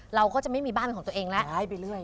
เราก็จะไม่มีบ้านของตัวเองแล้ว